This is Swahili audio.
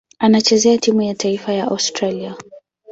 Anachezea timu ya taifa ya Australia.